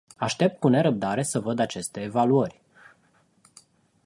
Aștept cu nerăbdare să văd aceste evaluări.